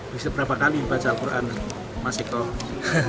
bisa berapa kali baca al quran masih kok